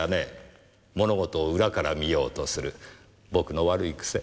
物事を裏から見ようとする僕の悪い癖。